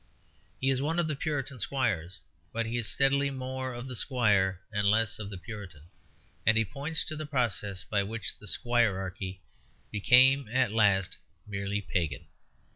He is one of the Puritan squires; but he is steadily more of the squire and less of the Puritan; and he points to the process by which the squirearchy became at last merely pagan.